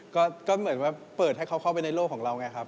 ก็เหมือนว่าเปิดให้เขาเข้าไปในโลกของเราไงครับ